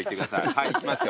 はいいきますよ